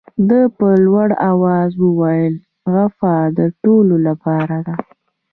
ده په لوړ آواز وویل عفوه د ټولو لپاره ده.